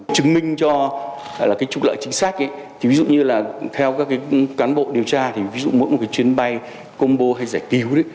chứng minh cho là cái trục lợi chính xác ấy ví dụ như là theo các cái cán bộ điều tra thì ví dụ mỗi một cái chuyến bay combo hay giải cứu ấy